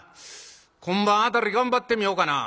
今晩辺り頑張ってみようかな。